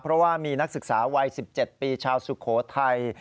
เพราะว่ามีนักศึกษาวัย๑๗ปีชาวสุโขทัย